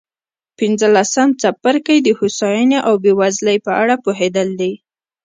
پنځلسم څپرکی د هوساینې او بېوزلۍ په اړه پوهېدل دي.